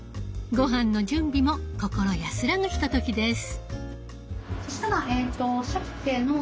ごはんの準備も心安らぐひとときです。